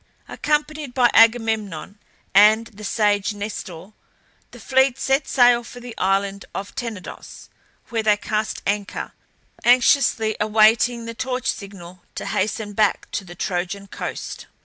Accompanied by Agamemnon and the sage Nestor, the fleet set sail for the island of Tenedos, where they cast anchor, anxiously awaiting the torch signal to hasten back to the Trojan coast.